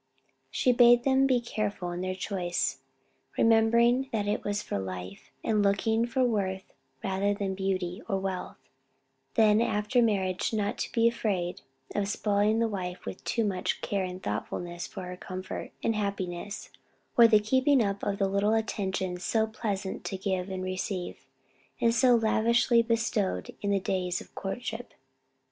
She bade them be careful in their choice, remembering that it was for life, and looking for worth rather than beauty or wealth; then after marriage not to be afraid of spoiling the wife with too much care and thoughtfulness for her comfort, and happiness, or the keeping up of the little attentions so pleasant to give and receive, and so lavishly bestowed in the days of courtship.